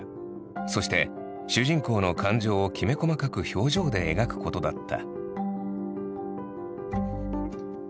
そして主人公の感情をきめ細かく表情で描くことだった。